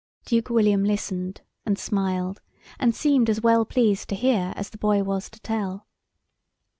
Duke William listened, and smiled, and seemed as well pleased to hear as the boy was to tell.